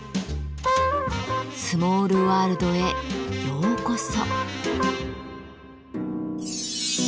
スモールワールドへようこそ。